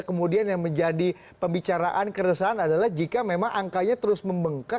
kemudian yang menjadi pembicaraan keresahan adalah jika memang angkanya terus membengkak